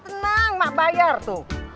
tenang mak bayar tuh